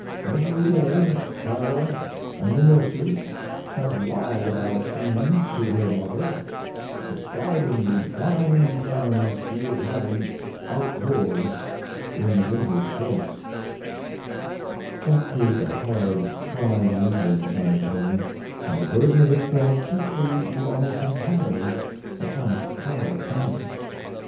Every day Clara & the nurses have lied about Jean to her mother, describing the fine times she is having outdoors in the winter sports. That proved a hard, trying winter in the Clemens home, and the burden of it fell chiefly, indeed almost entirely, upon Clara Clemens. Mrs.